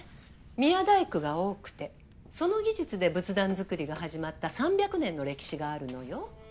宮大工が多くてその技術で仏壇作りが始まった３００年の歴史があるのよ。